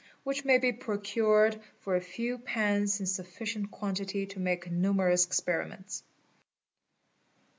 which may be procured for a few _ pence in sufficient quantity to make numerous experiments.